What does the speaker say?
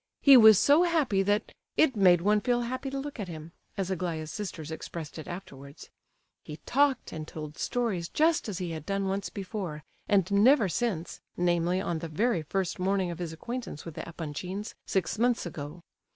He was so happy that "it made one feel happy to look at him," as Aglaya's sisters expressed it afterwards. He talked, and told stories just as he had done once before, and never since, namely on the very first morning of his acquaintance with the Epanchins, six months ago.